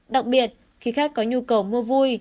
đặc biệt khi khách có nhu cầu mua vui